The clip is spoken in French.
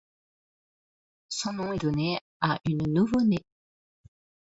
Son nom est donné à une nouveau-née.